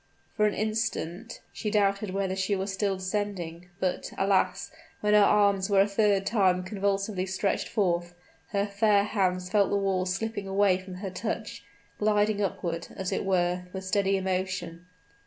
For an instant she doubted whether she was still descending; but, alas! when her arms were a third time convulsively stretched forth, her fair hands felt the walls slipping away from her touch gliding upward, as it were, with steady emotion.